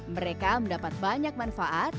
mereka mendapat banyak manfaat